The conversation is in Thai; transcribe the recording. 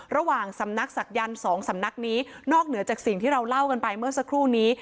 ระหว่างสำนักศักยันต์สองสำนักนี้นอกเหนือจากสิ่งที่เราเล่ากันไปเมื่อสักครู่นี้